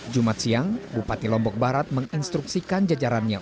jumat siang bupati lombok barat menginstruksikan jajarannya